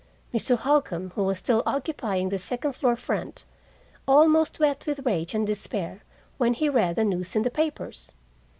Mr. Holcombe, who was still occupying the second floor front, almost wept with rage and despair when he read the news in the papers.